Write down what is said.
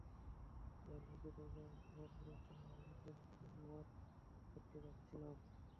যার মুগ্ধ মায়ায় তোমার পুরোটা রাতের নিশ্বাস আমি আমার করতে চাচ্ছিলাম।